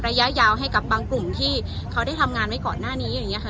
ระยะยาวให้กับบางกลุ่มที่เขาได้ทำงานไว้ก่อนหน้านี้อย่างนี้ค่ะ